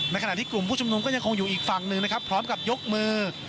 ขณะที่กลุ่มผู้ชุมนุมก็ยังคงอยู่อีกฝั่งหนึ่งนะครับพร้อมกับยกมือ